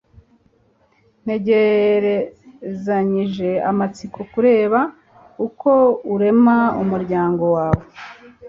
ntegerezanyije amatsiko kureba uko urema umuryango wawe